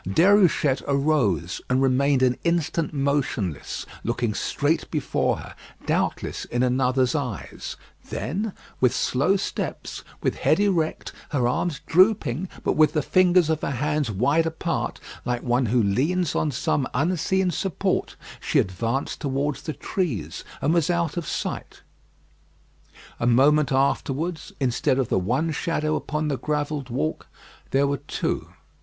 Déruchette arose, and remained an instant motionless, looking straight before her, doubtless in another's eyes. Then, with slow steps, with head erect, her arms drooping, but with the fingers of her hands wide apart, like one who leans on some unseen support, she advanced towards the trees, and was out of sight. A moment afterwards, instead of the one shadow upon the gravelled walk, there were two.